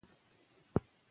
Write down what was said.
سريزه